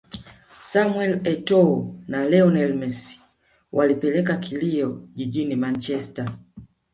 Samuel Etoâo na Lionel Messi walipeleka kilio jijini Manchesterr